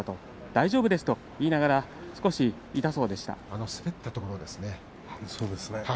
大丈夫ですと言いながらあの滑ったところでしたね。